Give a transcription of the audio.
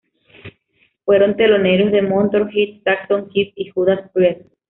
Fueron teloneros de Motörhead, Saxon, Kiss y Judas Priest.